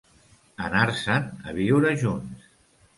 Anar-se'n a viure junts.